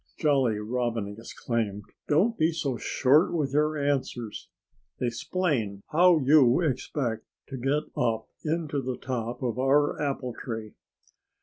Jolly Robin exclaimed. "Don't be so short with your answers! Explain how you expect to get up into the top of our apple tree."